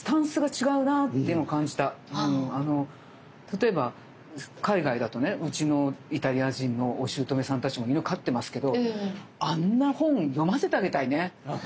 例えば海外だとねうちのイタリア人のおしゅうとめさんたちも犬飼ってますけどあんな本読ませてあげたいね。